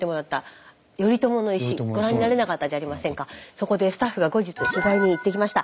そこでスタッフが後日取材に行ってきました。